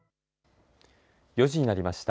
４時になりました。